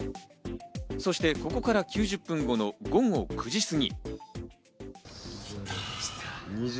そしてここから９０分後の午後９時過ぎ。